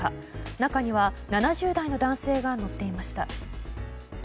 中には７０代の男性が乗っていました。